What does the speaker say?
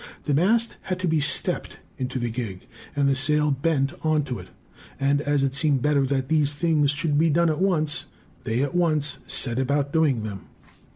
The mast had to be "stepped" in the gig and the sail bent on to it; and, as it seemed better that these things should be done at once, they at once set about doing them.